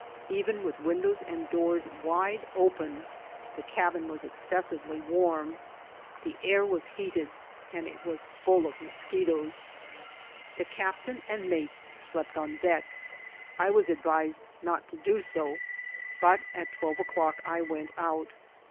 Even with windows and doors wide open the cabin was excessively warm ; the air was heated, and it was full of moechetoes. The captain and mates edept on deck. I was advised not to do so, but at twelve o'clock I went out.